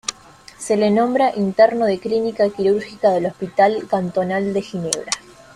Se le nombra interno de Clínica Quirúrgica del Hospital Cantonal de Ginebra.